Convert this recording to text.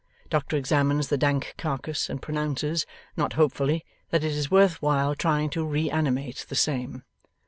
Doctor examines the dank carcase, and pronounces, not hopefully, that it is worth while trying to reanimate the same.